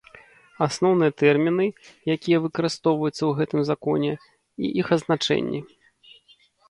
Асноўныя тэрмiны, якiя выкарыстоўваюцца ў гэтым Законе, i iх азначэннi.